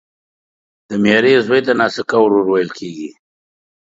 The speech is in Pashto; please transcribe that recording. د ميرې زوی ته ناسکه ورور ويل کیږي